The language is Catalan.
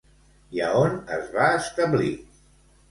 I a on es va establir?